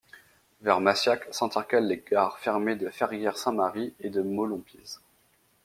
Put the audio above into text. Vers Massiac, s'intercalent les gares fermées de Ferrières-Saint-Mary et de Molompize.